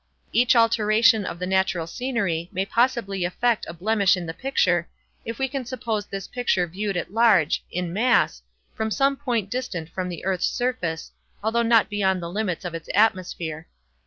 Each alteration of the natural scenery may possibly effect a blemish in the picture, if we can suppose this picture viewed at large—in mass—from some point distant from the earth's surface, although not beyond the limits of its atmosphere.